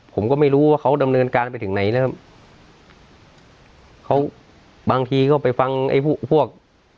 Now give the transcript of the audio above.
ผมก็ไม่รู้ว่าเขาดำเนินการไปถึงไหนนะครับเขาบางทีก็ไปฟังไอ้พวก